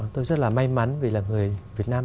tôi rất là may mắn vì là người việt nam